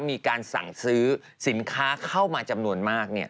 มีการสั่งซื้อสินค้าเข้ามาจำนวนมาก